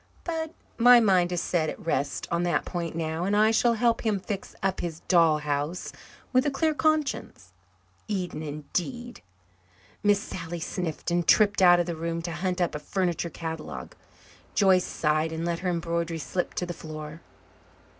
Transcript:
But my mind is set at rest on that point now, and I shall help him fix up his doll house with a clear conscience. Eden, indeed!" Miss Sally sniffed and tripped out of the room to hunt up a furniture catalogue. Joyce sighed and let her embroidery slip to the floor.